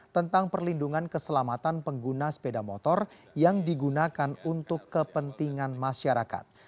tentang perlindungan keselamatan pengguna sepeda motor yang digunakan untuk kepentingan masyarakat